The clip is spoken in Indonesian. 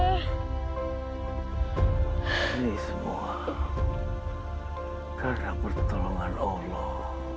ini semua karena pertolongan allah